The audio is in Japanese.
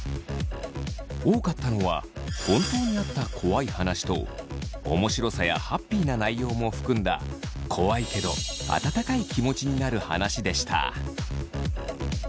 多かったのは本当にあった怖い話と面白さやハッピーな内容も含んだ怖いけど温かい気持ちになる話でした。